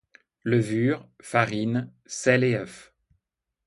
Levure, farine, sel et œuf.